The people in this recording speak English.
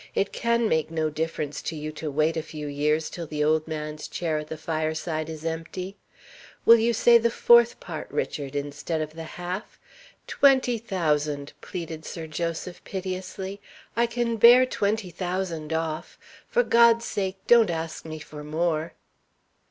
It can make no difference to you to wait a few years till the old man's chair at the fireside is empty. Will you say the fourth part, Richard, instead of the half? Twenty thousand," pleaded Sir Joseph, piteously. "I can bear twenty thousand off. For God's sake don't ask me for more!"